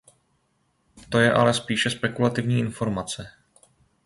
To je ale spíše spekulativní informace.